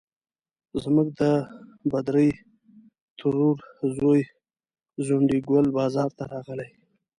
زموږ د بدرۍ ترور زوی ځونډي ګل بازار ته راغلی.